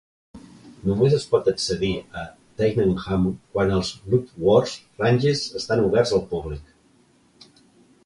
Només es pot accedir a Tyneham quan els Lulworth Ranges estan oberts al públic.